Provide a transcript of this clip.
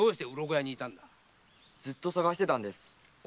俺をずっと捜してたんです。